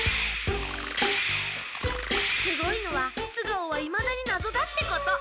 すごいのはす顔はいまだにナゾだってこと。